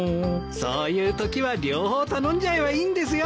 そういうときは両方頼んじゃえばいいんですよ。